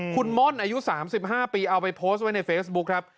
คุณม่อนอายุ๓๕ปีเอาไปโพสต์ไว้ในเฟซบุ๊คครับ